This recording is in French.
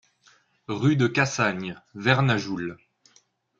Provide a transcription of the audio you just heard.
Rue de Cassagne, Vernajoul